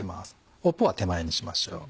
尾っぽは手前にしましょう。